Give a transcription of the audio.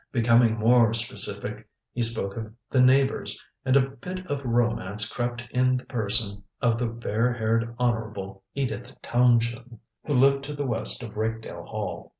Becoming more specific, he spoke of the neighbors, and a bit of romance crept in in the person of the fair haired Honorable Edith Townshend, who lived to the west of Rakedale Hall.